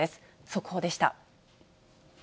速報でした。